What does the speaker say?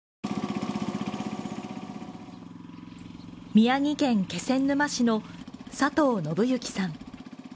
宮城県気仙沼市の佐藤信行さん。